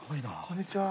こんにちは。